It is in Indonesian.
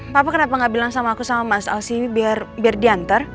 papa kenapa gak bilang sama aku sama mas alsimi biar diantar